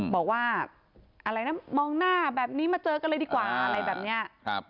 บอกว่ามองหน้าแบบนี้มาเจอกันเลยดีกว่า